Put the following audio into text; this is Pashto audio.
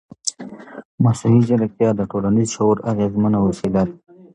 مصنوعي ځیرکتیا د ټولنیز شعور اغېزمنه وسیله ده.